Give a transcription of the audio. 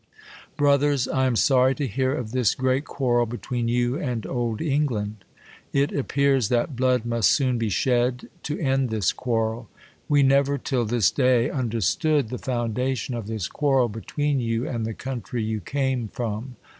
Brothers ! I am sorry to hear of this great quar rel between you and Old England. It appears that blood must soon be shed to end this quarrel. We never till this day understood the foundation of this quarrel between you and the country you came from.